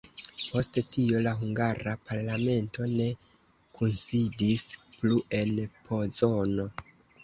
Post tio la hungara parlamento ne kunsidis plu en Pozono.